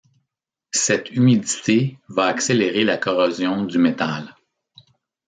Cette humidité va accélérer la corrosion du métal.